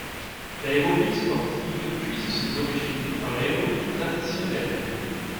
L'aérobic sportive puise ses origines dans l'aérobic traditionnelle.